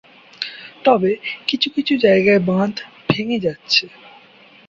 তবে, কিছু কিছু জায়গায় বাঁধ ভেঙ্গে যাচ্ছে।